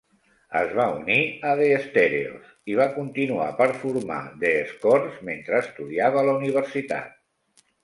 Es va unir a The Stereos, i va continuar per formar The Escorts, mentre estudiava a la universitat.